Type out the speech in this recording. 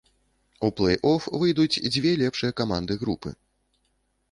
У плэй-оф выйдуць дзве лепшыя каманды групы.